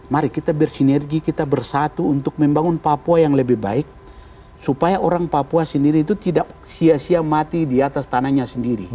mari kita bersinergi kita bersatu untuk membangun papua yang lebih baik supaya orang papua sendiri itu tidak sia sia mati di atas tanahnya sendiri